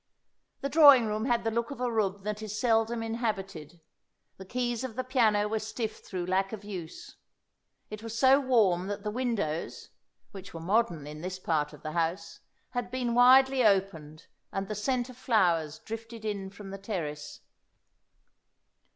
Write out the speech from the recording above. The drawing room had the look of a room that is seldom inhabited; the keys of the piano were stiff through lack of use. It was so warm that the windows (which were modern in this part of the house) had been widely opened, and the scent of flowers drifted in from the terrace.